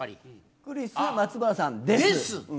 クリス松村さん、です。